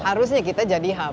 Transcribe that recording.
harusnya kita jadi hub